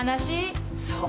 そう。